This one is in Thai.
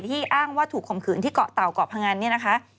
ที่อ้างว่าถูกข่มขืนที่เกาะเต่ากเกาะพังอัน